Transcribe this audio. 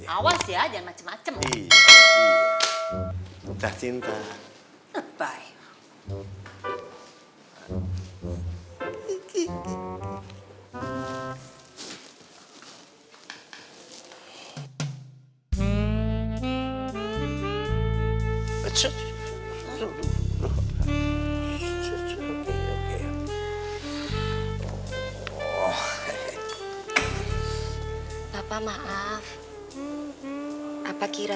awas ya jangan macem macem